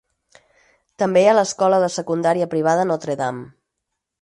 També hi ha l'escola de secundària privada Notre-Dame.